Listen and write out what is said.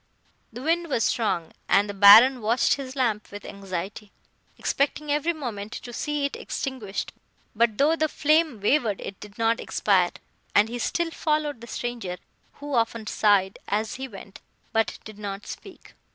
] "The wind was strong, and the Baron watched his lamp with anxiety, expecting every moment to see it extinguished; but, though the flame wavered, it did not expire, and he still followed the stranger, who often sighed as he went, but did not speak.